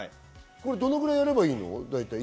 これどのくらいやればいいの？